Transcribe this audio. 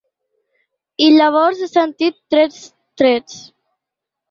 I llavors he sentit tres trets.